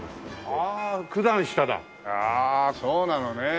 ああそうなのね。